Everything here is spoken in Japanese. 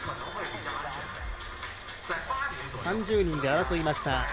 ３０人で争いました